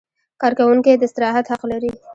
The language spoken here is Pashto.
کارکوونکی د استراحت حق لري.